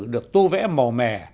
được tô vẽ mò mè